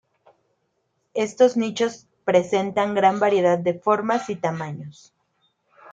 Estos nichos presentan gran variedad de formas y tamaños.